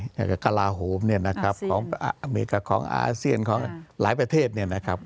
แล้วก็กระลาโหมเนี่ยนะครับของอเมริกาของอาเซียนของหลายประเทศเนี่ยนะครับ